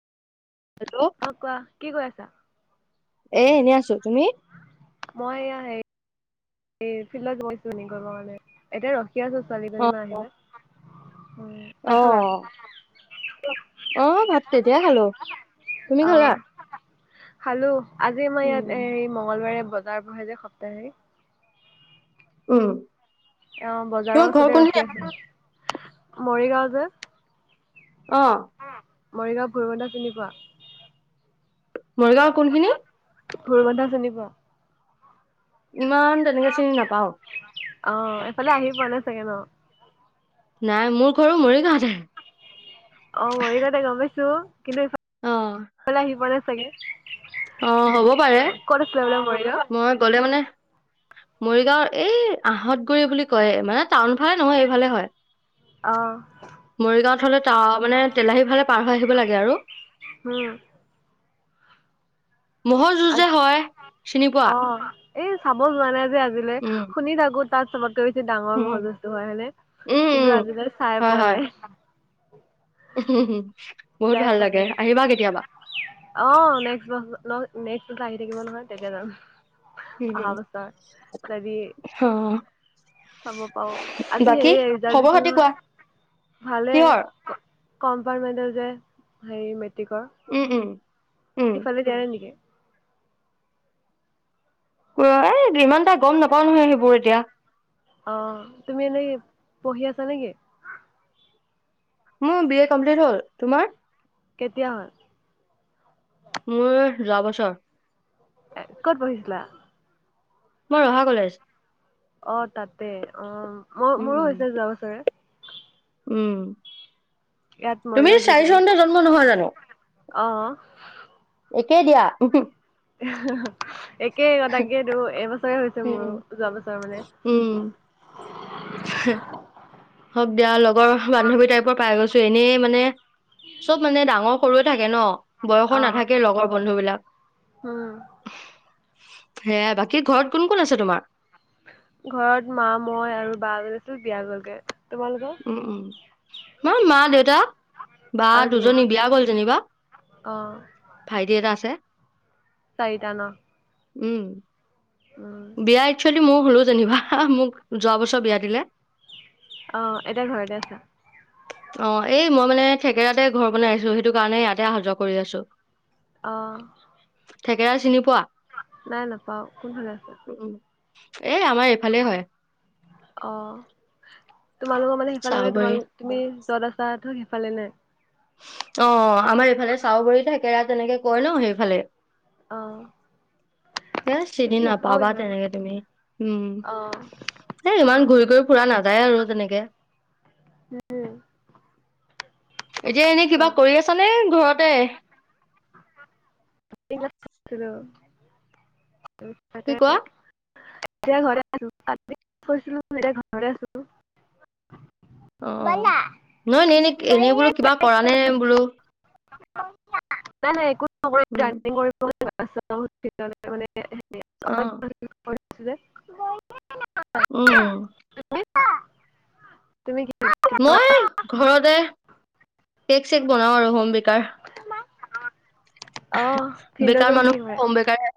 Hello অ' কোৱা কি কৰি আছা? এ এনে আছো তুমি মই এয়া হেৰী এই ফিল্ত গৈছো, এক কৰিব মানে এতিয়া ৰ কি আছ অ ছোৱালীজনীমান আহিব, অ ভাত খালা? অ ভাত তেতিয়াই খালো তুমি খালা অ'। খালো। আজি মই উম ইয়াত এ মঙ্গলবাৰে বজাৰ বহে যে সাপ্তাহিক। উম। অ' বজাৰৰ তোমাৰ ঘৰ ওচতে কোনখিনি ৰখি আছো। মৰিগাঁও যে। অ'। মৰিগাঁও [unintelligible] চিনি পোৱা? মৰিগাঁও কোনখিনি? ভোৰগন্ধা চিনি পোৱা? ইমান তেনেককা চিনি নাপাও। অ' এইফালে আহি পোৱা নাই চাগে ন? নাই, মোৰ ঘৰো মৰিগাঁৱতে। অ' মৰিগাঁওতে গম পাইছো। কিন্তু অ এইফাল আহি পোৱা নাই? [inaudible] অ' হ'ব পাৰে, ক'ত আছিলে বোলে মৰিগাঁও? মই গলে মানে মৰিগাঁওৰ এই আহঁত গুৰি বুলি কয় মানে। টাউন ফালে নহয় এইফালে হয়, অ মৰিগাঁৱত হলে ত মানে তেলাহী ফালে পাৰ হৈ আহিব লাগে আৰু। উম ম'হৰ যুঁজ যে আজি হয়, চিনি পোৱা? অ এই চাবো যোৱা নাই। যে আজিলে উম শুনি থাকো তাত ছবত সৱৎসে ডাঙৰ উম মহ যুজুটো হয় হয়েনে? উম কিন্তু উম আজিলে চাই হয় পোৱা হয় নাই। হয়। [inaudible] যাই বহুত ভাল লাগে পোৱা আহিবা নাই কেতিয়াবা। অ' [unintelligible] আহি থাকিব নহয় তেতিয়া যাম। উম, উম, অহা বছৰ যদি অ চাব পাওঁ আজি বাকী হেৰি ৰিজাল্ট খবৰ দিছিল খাতি কোৱা নহয় ভালে। কিহৰ? কমপাৰট মেন্টেল যে। হেৰি মে উম, উম। উম এইফালে জানে নেকি? উম, এ ইমান এটা গম নাপাওঁ নহয় সেইবোৰ এতিয়া। অ' তুমি এনেই পঢ়ি আছা নে কি? মোৰ বি এ কমপ্লিট হ'ল। তোমাৰ? কেতিয়া হ'ল? মোৰ যোৱা বছৰ। ক'ত পঢ়িছিলোঁ? মই ৰহা কলেজ। অ' তাতে অ'। মই উম মোৰো উম হৈছে যোৱা বছৰে। উম। ইয়াত তুমিও মৰিগাঁও জি চাৰি কেবিত চনতে জন্ম নহয় জানো? অ'। একেই দিয়া। এক তাকেই ক তাকেইেতটো এইবছৰে হৈছে মোৰ উম। যোৱা বছৰ মানে হ হওক দিয়া লগৰ বান্ধৱী টাইপৰ পাই গৈছো এনেই মানে চব মানে ডাঙৰ সৰুয়ে থাকে ন বয়সৰ নাথাকে লগৰ বন্ধু বিলাক হম সেয়া বাকী ঘৰত কোন কোন আছে তোমাৰ ঘৰত মা মই আৰু বা জনিটো বিয়া গলগে তোমালোকৰ উম উম মই মা দেউতা বা আৰু তুমি দুজনী বিয়া গ'ল যেনিবা অ ভাইটি এটা আছে চাৰিটা ন উম উম বিয়া আকচুল মোৰ হ'লো যেনিবা মোক যোৱা বছৰ বিয়াদিলে। অ', অ এতিয়া ঘৰতে আছা এই মই মানে থঠেকেৰাতে ঘৰ বনাই আছো, সেইটো কাৰণে ইয়াতে অহা যোৱা কৰি আছো। অহ। থেকেৰা চিনি পোৱা? নাই নাপাও কোনফলে? উম, এই আমাৰ এইফালে হয়। অহ। তোমালোকৰ মানে সিফালে চাহবৰী তোমোক তুমি যত আছা ধ সিফালে নে অ', আমাৰ এইফালে চাউবৰি থেকেৰা তেনেকে কয় ন সেইফালে। অ এ চিনি নাপাও নাপাবা ইমান তেনেকে তুমি, উম, অ এ ইমান ঘূৰি ফুৰি ফুৰা নাযায় আৰু তেনেকে। উম এতিয়া এনেই কিবা কৰি আছ নে ঘৰতে [unintelligible] হেল্ল। [unintelligible] কি কোৱা এতিয়া ঘৰে আছো, আ কছিলো এতিয়া ঘৰৰে আছো। অ', অ', নহয় ননে এনেই বোলো কিবা কৰা নে বোলো। নাই নাই একো চবৰে এতিয়া উম অৰ্নিং কৰিবলে মানে অ উম [unintelligible] চুজে উম, উ। তুমি কি মই ঘৰতে কেক চেক বনাও আৰু হ হুম বেকাৰ। অহ বেকাৰ ভিন্দজন মানুহ কি হয়? হোম বেকাৰ